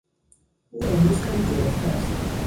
او امروز خیلی گرفته است.